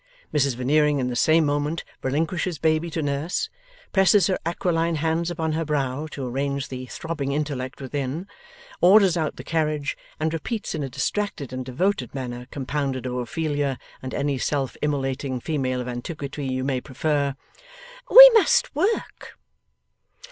Mrs Veneering in the same moment relinquishes baby to Nurse; presses her aquiline hands upon her brow, to arrange the throbbing intellect within; orders out the carriage; and repeats in a distracted and devoted manner, compounded of Ophelia and any self immolating female of antiquity you may prefer, 'We must work.